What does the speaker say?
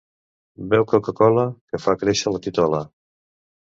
Beu coca-cola, que fa créixer la titola.